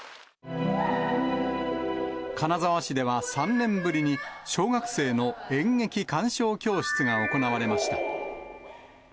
金沢市では３年ぶりに、小学生の演劇鑑賞教室が行われました。